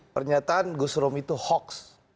pernyataan gus rom itu hoax